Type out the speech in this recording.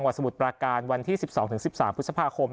สมุทรปราการวันที่๑๒๑๓พฤษภาคม